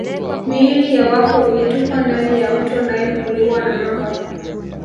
Miili ya wafu ilitupwa ndani ya mto Nile kuliwa na mamba